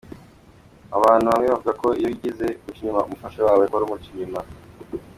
Abantu bamwe bavuga ko iyo wigize guca inyuma umufasha wawe uhora umuca inyuma.